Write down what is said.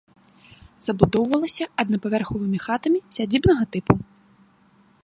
Забудоўвалася аднапавярховымі хатамі сядзібнага тыпу.